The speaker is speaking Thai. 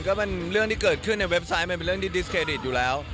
ก็เป็นเรื่องที่เกิดขึ้นในเว็บไซต์มันเป็นเรื่องดิสเครดิตอยู่แล้ว